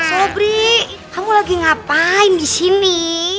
sobri kamu lagi ngapain di sini